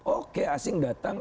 oke asing datang